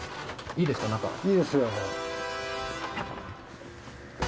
いいですよ。